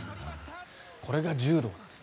これが柔道なんですね。